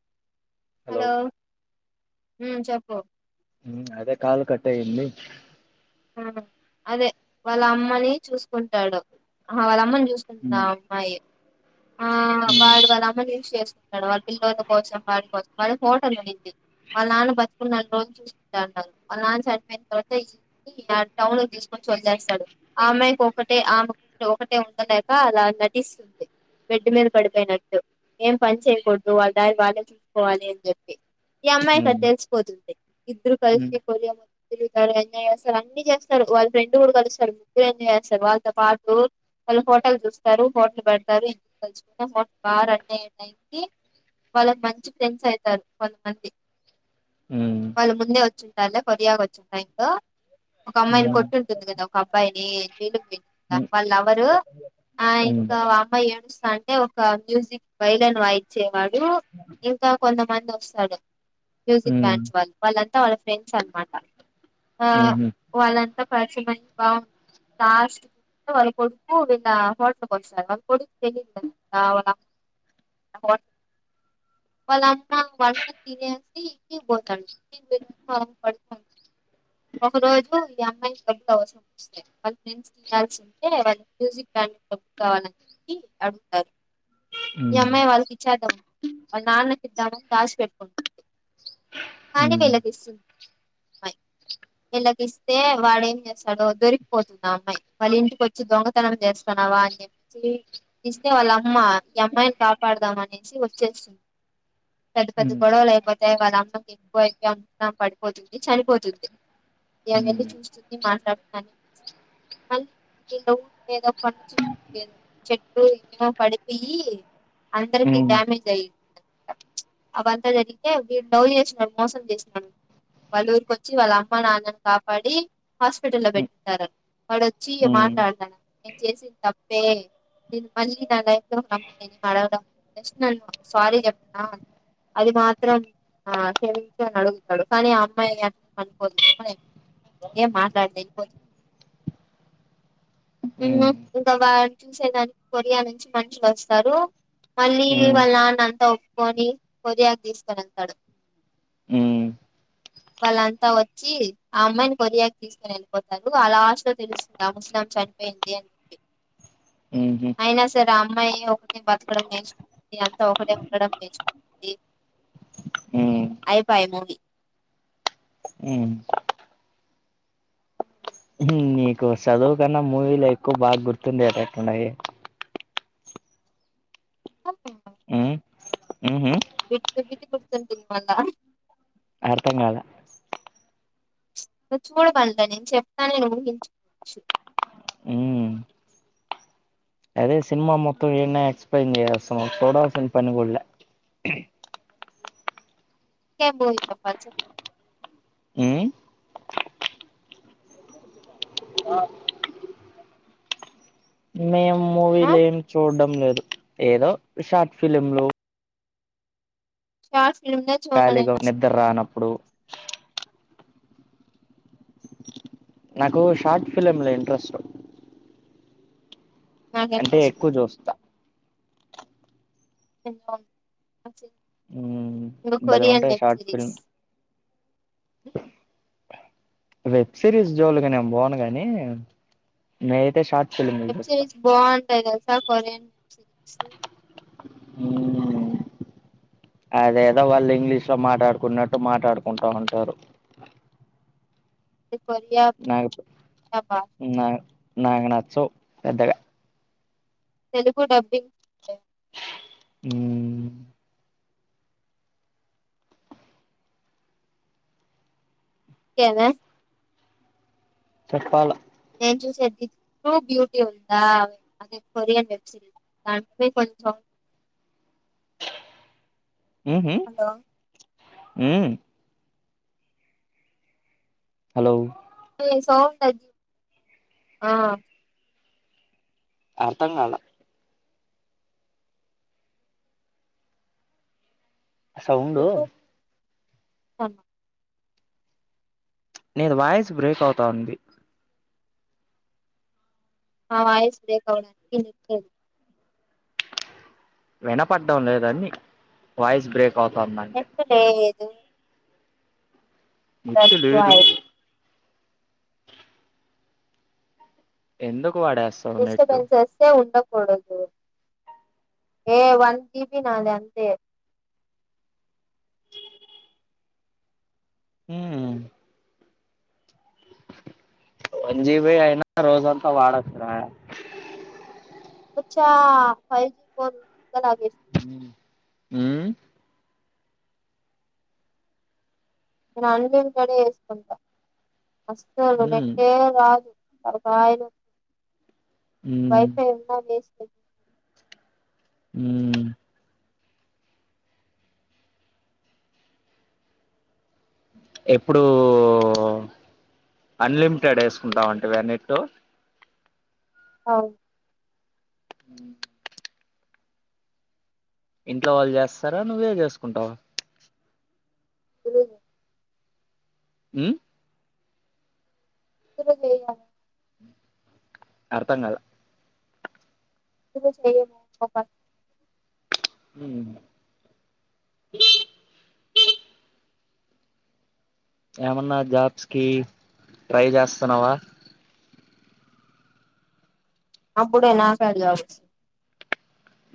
[inaudible] Hello మ్ చెప్పు అదే కాలు కట్టైంది. అదే వాళ్ళ అమ్మని చూస్కుంటాడు ఆ వాళ్ళ అమ్మ చూస్తుందా మ్మ్ అమ్మాయి ఆ వాడు వాళ్ళ అమ్మని చేస్ డు వాళ్ళ పిల్లల కోసం వాడి కోసం వాళ్ళకు హోటలుంది. వాళ్ళ నాన్న బతుకున్నన్నీ రోజులు చూసుకుంటా ఉన్నాడు. వాళ్ళ నాన్న చనిపోయిన తర్వాత టౌన్కి తీసుకొని వదిలేేస్తాడు ఆ అమ్మాయికి ఒకటే ఆమెకు ఒకటే ఉండలేక అలా నటిస్తుంది. బెడ్ మీద పడిపోయినట్టు ఏం పని చేయకూడదు వాళ్ళ దారి వాళ్ళే చూస్కోవాలే అని చెప్పి ఈ అమ్మాయి మ్మ్ అద్ తెల్సిపోతుంది. ఇద్దరు మ్మ్ కల్సి కొరియా తిరుగుతారు ఎంజాయ్ చేస్తారు అన్ని చేస్తారు వాళ్ళ ఫ్రెండ్ గుడా కలుస్తారు. ముగ్గురు ఎంజాయ్ చేస్తారు. వాళ్ళతో పాటు వాళ్ళు హోటల్ చూస్తారు హోటల్ పెడ్తారు. [inaudible] బాగా రన్ అయ్యే టైమ్కి వాళ్ళక్ మంచి ఫ్రెండ్స్ అయితారు కొంతమంది మ్మ్ వాళ్ళు ముందే వచ్చుంటారు లే కొరియాకు వచ్చిన టైమ్లో ఒక అమ్మాయిని కొట్టుటుంది కదా అబ్బాయిని మ్మ్ వాళ్ళ లవర్ ఆ మ్మ్ ఇంకా అమ్మ ఏ అంటే ఒక మ్యూజిక్ వైలన్ వాయిచ్చేవాడు ఇంకా కొంతమంది వస్తారు మ్మ్ మ్యూజిక్ మ్మ్ బ్యాండ్స్ వాళ్ళు వాళ్ళంతా వాళ్ళ ఫ్రెండ్స్ అన్మాట. ఆ మ్మ్ మ్మ్ మ్మ్ మ్మ్ మ్మ్ మ్మ్ మ్మ్ మ్మ్ వాళ్ళంతా పర్ఫామెన్స్ బాగుం లాస్ట్కు వాళ్ళ కొడుకు వీళ్ళ హోటల్కి వస్తారు వాళ్ళ కొడుక్ ఆ అవునా వాళ్ళ అమ్మ [inaudible] ఒకరోజు ఈ అమ్మాయి క్లబ్ అవసరం వస్తాయి. వాళ్ళ ఫ్రెండ్స్ వినాల్సుంటే వాళ్ళ మ్యూజిక్ బ్రాండ్ క్లబ్ కావాలని చెప్పి అడుగుతారు ఈ అమ్మాయి వాళ్ళకిచ్చేద్దాం. వాళ్ళ నాన్నకిద్దాం రాసి పెట్టుకో కానీ వీళ్ళకిస్తుం అమ్మాయి వీళ్ళకిస్తే వాడేం చేస్తాడో దొరికిపోతుంది ఆ అమ్మాయి వాళ్ళింటికొచ్చి దొంగతనం చేస్తున్నావా అని చెప్పేసి ఇస్తే వాళ్ళ అమ్మ ఈ అమ్మాయిని కాపాడుదాంమనేసి వచ్చేస్తుం పెద్ద పెద్ద గొడవలు అయిపోతాయి వాళ్ళ అమ్మకి ఎక్కువ అయిపో [inaudible] పడిపోతుంది చనిపోతుంది. ఇగ వెళ్ళి చూస్తుంది మాట్లాడుతుందని మళ్ళీ ఇళ్లు ఏదో కొండ చదు చెట్టు ఏమో పడిపో యీ అందర్కి డ్యామేజ్ అయి అవంతా జరిగితే వీడ్ లవ్ చేసినోడు మోసం చేసిన వాళ్ళ ఊరికి వచ్చి వాళ్ళ అమ్మ నాన్నని కాపాడి హాస్పిటల్లో పెట్టింటారు. వాడొచ్చి మ్మ్ మాట్లాడతాను నేను చేసింది తప్పే నేన్ మళ్ళీ నా లై లో అడగడం జస్ట్ నేను సారీ చెప్తునా అది మాత్రం ఆ క్షమించని అడుగుతడు కనీ ఆ అమ్మాయి అంటనిపోదు ఏం మాట్లాడదు ఎల్లిపో మ్మ్ ఇంకా వాడు చూసేదానికి కొరియా నుంచి మనుషులు వస్తారు మళ్ళీ వాళ్ళ నాన్న అంతా ఒప్పుకొని కొరీయాకి తీస్కొని వెళ్తాడు. మ్ వాళ్ళంతా వచ్చి ఆ అమ్మాయిని కొరియాక్ తీస్కొని ఎళ్ళిపోతారు. ఆ లాస్ట్లో తెలుస్తుంది ఆ ముసలామ చనిపోయింది అని చెప్పి అయినా సరే ఆ అమ్మాయి ఒకటి బతకడం నేర్చుకుంటుంది. అంతా ఒకటే ఉండడం నేర్చుకుంటుంది మ్మ్ మ్మ్ అయిపాయే మూవీ నీకు చదువు కన్నా మూవీలే ఎక్కువ బాగా గుర్తుండేటట్టు ఉన్నాయీ మ్మ్ మ్మ్ [unintelligible] అర్థం కాల నిన్ను చూడమన్లె నేన్ చెప్తాను ఊహించుకోవచ్చు మ్మ్ అదే సినిమా మొత్తం ఈడ్నే ఎక్స్ప్లెయిన్ చేసేస్తున్నవ్ చూడాల్సిన పని గుడా లే [unintelligible] మ్ మేం ఆ మూవీలు ఏం చూడ్డం లేదు. ఏదో షార్ట్ ఫిలింలు షార్ట్స్ ఖాళీగా నిద్ర రానప్పుడు నాకు షార్ట్ ఫిలింలు ఇంట్రెస్ట్ నాకు అంటే ఇంట్రెస్ట్ లేదు ఎక్కువ చూస్తా మ్మ్ అవునా భలే కొరియన్ ఉంటాయి web short series film web series జోలుకి నేను పోను గానీ నేయితే షార్ట్ ఫిలింలు చూస్తా ఎబ్సైజ్ బాన్ తెల్సా కొరియన్ వెబ్ సిరీస్ మ్మ్ అదేదో వాళ్ళు ఇంగ్లీష్ లో మాట్లాడుకున్నట్టు మాట్లాడుకుంటా ఉంటారు కొరియా నాకు నా నాకు నచ్చువు పెద్దగా తెలుగు డబ్బింగ్ హ్మ కేనా చెప్పాల చూస బ్యటీ ఉంద కొరియ వెబ్ సిరీస్ దాంట్లో కొంచెం మ్మ్ హలో మ్మ్ హలో సో ఆ అర్థం కాల సౌండ్ అ నిది వాయిస్ బ్రేక్ అవుతా ఉంది నా వాయిస్ బ్రేక్ అవ్వడం తే వినపడ్డం లేదాన్ని వాయిస్ బ్రేక్ అవుతాంది అంటే ఎస్తలే త్త నెట్టు లేదు వై ఎందుక్ డిస్టరబెన్స్ చేస్తే ఉండ డదు ఏ వన్ జీబి నాది అంతే ఉ హు వన్ జీబీ అయినా రోజంతా వాడకుడదు అబచ్చ ఫైవ్ జీ ఫోన్ కలాగష్ మ్మ్ నేను అన్ని ఇంట్లోనే చేసుకుంటా ఫస్ట్ ఇది ఉమ్ నెట్టే రాదు అర్థమైంది ఉమ్ వైఫై ఉన్న వేస్ట్ మ్మ్ ఎప్పుడు అన్లిమిటెడ్ ఏసుకుంటా ఉంటివా నెట్టు అవును ఇంట్లో వాళ్ళు చేస్తారా నువ్వే చేసుకుంటావా తెలీద్ మ్మ్ నేను [unintelligible] అర్థం కలే ఎప్పుడు చెయ్యను [unintelligible] మ్మ్ ఏమన్నా జాబ్స్ కి ట్రై చేస్తన్నవా అప్పుడే నాకాడ జాబ్ వస్తది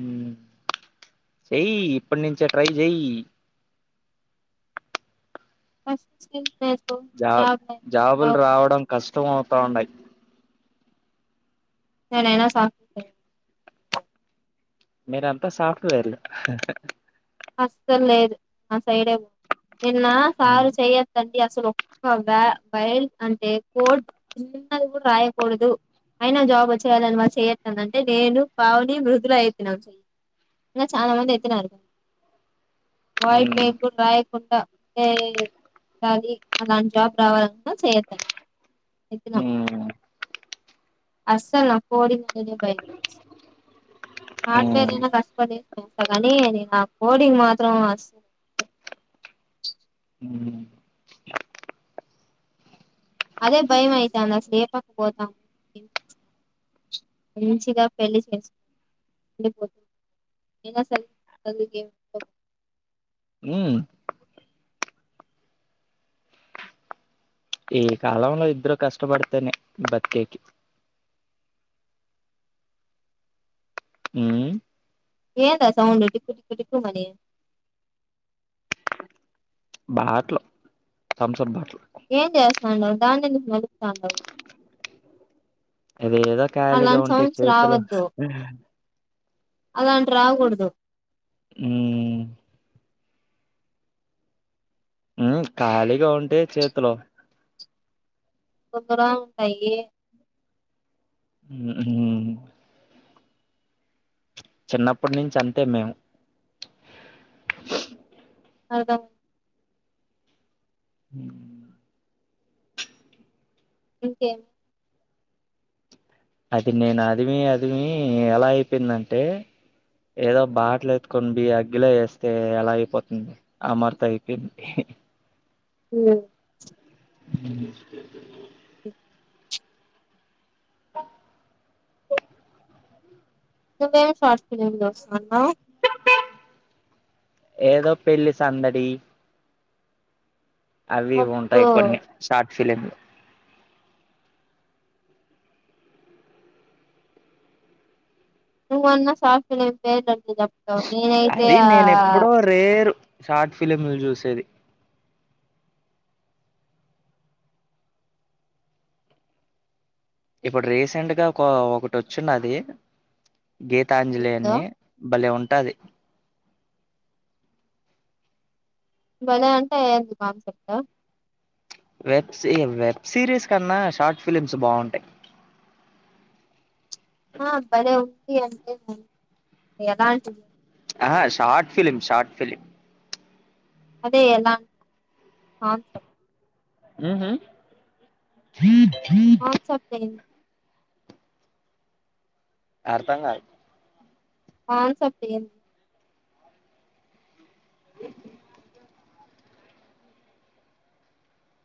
మ్మ్ చేయ్ ఇప్పుడు నుంచే ట్రై చెయ్ ఫస్ట్ స్కిల్స్ నేర్చు జాబ్ జాబులు రావడం కష్ ష్టమవుతా ఉన్నాయి నేనైనా సాఫ్ట్వేర్ మీరు అంతా సాఫ్ట్ వేర్ అస్సలు లేదు నా సైడే పో నిన్న ఉమ్ సారు చెయ్యత్తన్ అసలు ఒక్క వ బైల్ అంటే కోడ్ చిన్నది కూడా రాయకూడదు అయినా జాబు వచ్చేయాలనే వాళ్ళు చెయ్యి ఎత్తండి అంటే నేను పావని మృదుల ఎత్తినమ్ చె ఇంక చాలా మంది ఎత్తినారు వాయి ఉమ్ పేపర్ రాయకుండ ఏ జాలీ అలాంటి జాబ్ రావాలకున్న చెయ్యతండి ఎత్తిన అస్సలు ఆ కోడింగ్ అంటేనే భయమేస్తుంది హార్డ్ వేర్ ఉమ్ అయిన కష్ [unintelligible] చేస్తా కానీ నా కోడింగ్ మాత్రం అస్ ఉమ్ అదే భయం అయితాంది అసలు ఏ పక్క పోతాము మంచిగా పెళ్లి చేసుకో ఉండి పో చదువు కేం మ్మ్ ఈ కాలంలో ఇద్దరు కష్టపడితేనే బతికేకి మ్మ్ ఏందా sound tick tick tick money బాట్లో తమ్సప్ బాట్లు ఏం చేస్తాండవు దాన్నెందుకు నలుపుతా ఉండావు అది ఏదో ఖాళీగా ఉంటే చేతులు అలాంటివి రావకూడదు హ్మ్ ఉ ఖాళీగా ఉంటే చేతులో తొందర ఉంటాయి ఉహ్ చిన్నప్పటి నుంచి అంతే మేం అర్ధం హ్ ఓకే అది నేను అదిమి అదిమి ఎలా అయిపోయిందంటే ఏదో బాటలు ఎత్తుకోని బోయి అగ్గిలో వేస్తే ఎలా అయిపోతుంది ఆమర్తా అయిపోయింది హ్మ్ కే నువ్వేం షార్ట్ ఫిలిమ్ చూస్తున్నావ్ ఏదో పెళ్ళి సందడి అవి ఇవి ఉంటాయి అబ్బో కొన్ని షార్ట్ సైలెంట్ నువ్వు అన్నా సాఫ్ట్వేర్ నేనా ను చెప్తావ్ నేన్ అయితే అది ఆ నేను ఎప్పుడో రేరు షార్ట్ ఫిలిమ్లు చూసేది ఇప్పుడు రీసెంట్ గా ఒక ఒకటోచున్నది గీతాంజలి ఏందో అని బలే ఉం టాది భలే అంటే ఎంటి కాన్సెప్ట్ట వెబ్ సి వెబ్ సిరీస్ కన్నా షార్ట్ ఫిలిమ్స్ బాగుంటాయి ఆ బలే ఉంది అంటే ఎలా అంటే ఆహా షార్ట్ ఫిలిమ్ షార్ట్ ఫలిమ్ అదే ఎలా [unintelligible] ఉహ్మ్ ఆ సప్డ [inaudible] అర్ధంకాలే ఆన్ సప్పే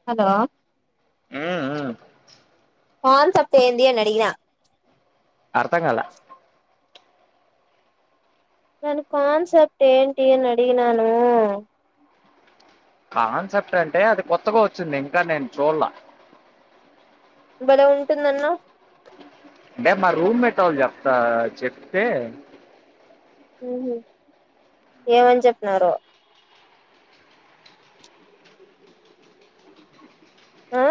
హలో మ్మ్ మ్మ్ పాన్ సప్తే ఏంది అని అడిగిన అర్థం కాల నను కన్సెప్ట్ ఏంటి అడిగినాను కాన్సెప్ట్ అంటే అది కొత్తగా వచ్చింది ఇంకా నేను చూడ్లా బలే ఉంటుంది అన్నావ్ అంటే మా రూమ్ మేట్ ఒళ్ళు చెప్తా చెప్తే ఏమని చెప్పినారో ఆ